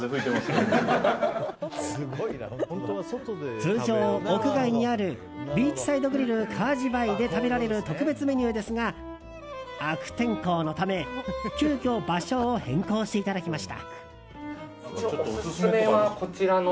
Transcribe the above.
通常、屋外にあるビーチサイドグリル夏至南風で食べられる特別メニューですが悪天候のため急きょ場所を変更していただきました。